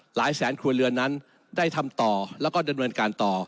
หลายแสนครัวเรือนนั้นได้ทำต่อแล้วก็ดำเนินการต่อ